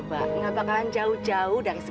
sama me ray i alike